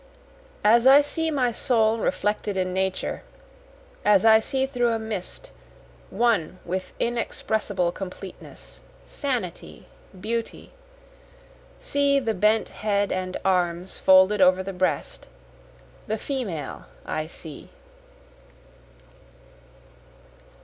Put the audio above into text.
As I see my soul reflected in Nature, As I see through a mist, One with inexpressible completeness, sanity, beauty, See the bent head and arms folded over the breast, the Female I see.